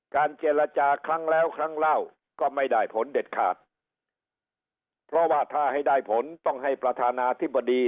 เจรจาครั้งแล้วครั้งเล่าก็ไม่ได้ผลเด็ดขาดเพราะว่าถ้าให้ได้ผลต้องให้ประธานาธิบดี